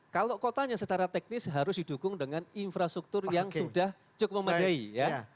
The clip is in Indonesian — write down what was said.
kalau kotanya secara teknis harus didukung dengan infrastruktur yang sudah cukup memadai ya